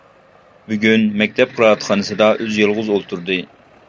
بۈگۈن مەكتەپ قىرائەتخانىسىدا ئۆزى يالغۇز ئولتۇردى.